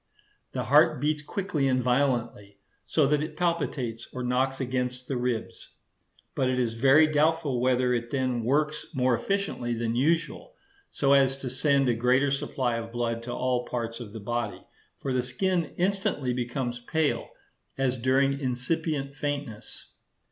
The heart beats quickly and violently, so that it palpitates or knocks against the ribs; but it is very doubtful whether it then works more efficiently than usual, so as to send a greater supply of blood to all parts of the body; for the skin instantly becomes pale, as during incipient faintness.